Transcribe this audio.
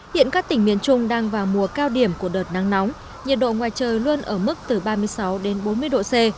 hiện các tỉnh miền trung đang vào mùa cao điểm của đợt nắng nóng nhiệt độ ngoài trời luôn ở mức từ ba mươi sáu đến bốn mươi độ c